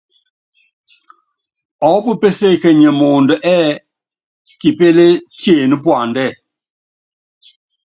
Ɔɔ́pu péséékenyi muundɔ ɛ́ɛ́: Kipílɛ́ tiené puandɛ́.